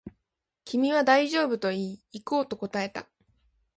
君は大丈夫と言い、行こうと答えた